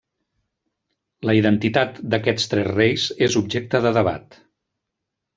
La identitat d'aquests tres reis és objecte de debat.